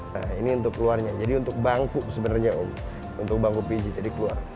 nah ini untuk keluarnya jadi untuk bangku sebenarnya om untuk bangku piji jadi keluar